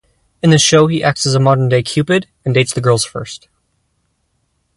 In the show he acts as a modern-day Cupid and dates the girls first.